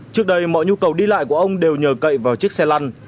trước đây mọi nhu cầu đi lại của ông đều nhờ cậy vào chiếc xe lăn